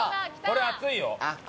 これ熱い。